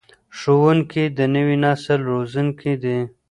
ښوونکي د نوي نسل روزونکي دي.